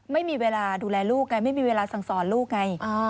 ไม่มีเวลาดูแลลูกไงไม่มีเวลาสั่งสอนลูกไง